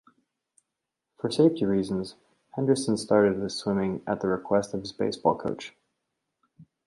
For safety reasons Henderson started with swimming at request of his baseball coach.